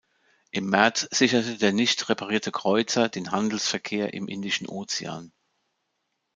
Im März sicherte der nicht reparierte Kreuzer den Handelsverkehr im Indischen Ozean.